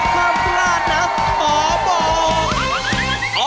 ห้ามพลาดนะหมอบอก